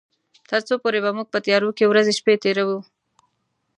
تر څو پورې به موږ په تيارو کې ورځې شپې تيروي.